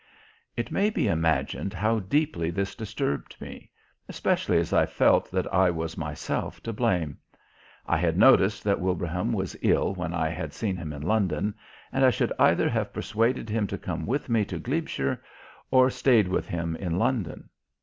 It may be imagined how deeply this disturbed me, especially as I felt that I was myself to blame. I had noticed that Wilbraham was ill when I had seen him in London, and I should either have persuaded him to come with me to Glebeshire or stayed with him in London.